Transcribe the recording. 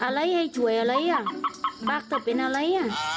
อะไรให้ช่วยอะไรบ้านเธอเป็นอะไร